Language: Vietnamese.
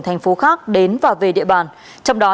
thành phố khác đến và về địa bàn